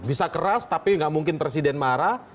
bisa keras tapi nggak mungkin presiden marah